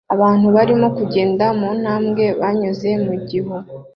Abantu barimo kugenda muntambwe banyuze mu gihu